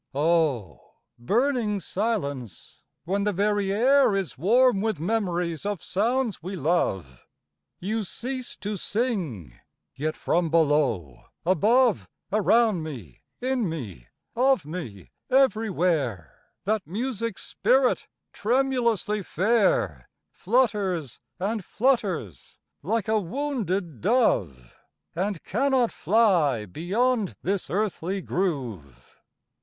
IV Oh! burning silence! when the very air Is warm with memories of sounds we love! You cease to sing, yet from below, above, Around me, in me, of me, everywhere, That Music's spirit, tremulously fair Flutters and flutters, like a wounded dove, And cannot fly beyond this earthly groove!